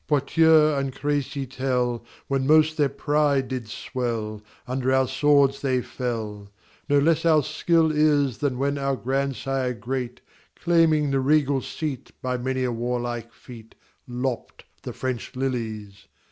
Poitiers and Crécy tell, When most their pride did swell, Under our swords they fell; No less our skill is Than when our grandsire great, Claiming the regal seat By many a warlike feat, Lopped the French lilies.